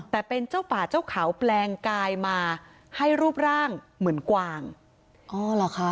แต่เป็นเจ้าป่าเจ้าเขาแปลงกายมาให้รูปร่างเหมือนกวางอ๋อเหรอคะ